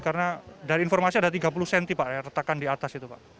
karena dari informasi ada tiga puluh cm pak retakan di atas itu pak